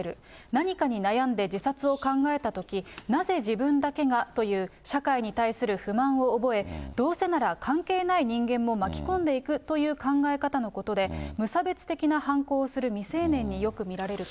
何かに悩んで、自殺を考えたとき、なぜ自分だけがという社会に対する不満を覚え、どうせなら関係ない人間も巻き込んでいくという考え方のことで、無差別的な犯行をする未成年によく見られると。